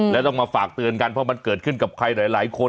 แล้วต้องมาฝากเตือนกันเพราะมันเกิดขึ้นกับใครหลายคน